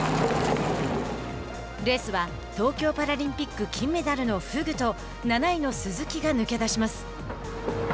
レースは東京パラリンピック金メダルのフグと７位の鈴木が抜け出します。